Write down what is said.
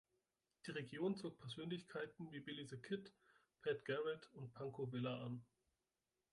Die Region zog Persönlichkeiten wie Billy the Kid, Pat Garrett und Pancho Villa an.